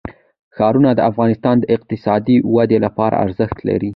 ښارونه د افغانستان د اقتصادي ودې لپاره ارزښت لري.